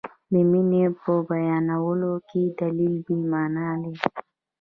د مینې په بیانولو کې دلیل بې معنا دی.